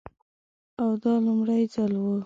او دا لومړی ځل و.